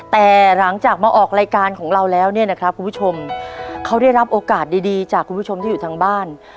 แต่หลังจากมาออกรายการของเราแล้วเนี่ยนะครับคุณผู้ชมเขาได้รับโอกาสดีจากคุณผู้ชมที่อยู่ทางบ้าน